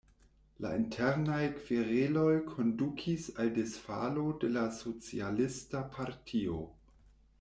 La internaj kvereloj kondukis al disfalo de la socialista partio.